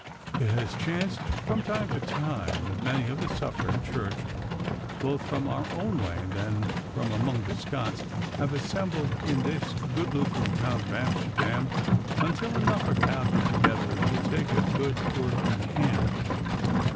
'It has chanced from time to time that many of the suffering Church, both from our own land and from among the Scots, have assembled in this good Lutheran town of Amsterdam, until enough are gathered together to take a good work in hand.